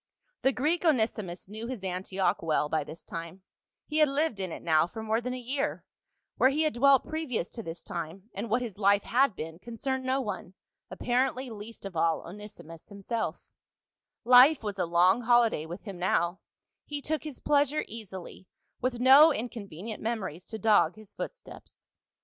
The Greek, Onesimus, knew his Antioch well by this time ; he had lived in it now for more than a year ; where he had dwelt previous to this time and what his life had been, concerned no one, apparently least of all Onesimus himself Life was a long holiday with him now, he took his pleasure easily, with no incon venient memories to dog his footsteps.